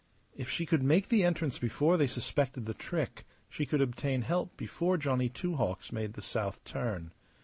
If she could make the entrance before they suspected the trick, she could obtain help before Johnny Two Hawks made the south turn.